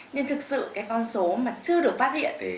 nhưng thực sự cái con số mà chưa được phát hiện